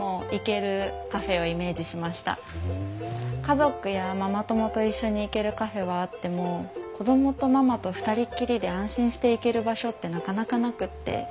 家族やママ友と一緒に行けるカフェはあっても子供とママと二人っきりで安心して行ける場所ってなかなかなくって。